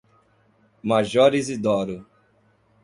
Major Izidoro